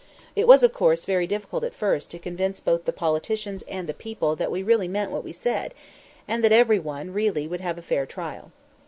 It was of course very difficult at first to convince both the politicians and the people that we really meant what we said, and that every one really would have a fair trial.